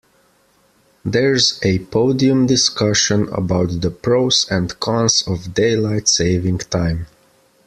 There's a podium discussion about the pros and cons of daylight saving time.